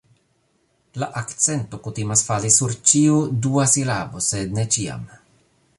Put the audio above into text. La akcento kutimas fali sur ĉiu dua silabo sed ne ĉiam